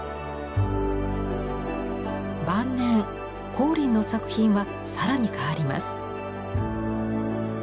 晩年光琳の作品は更に変わります。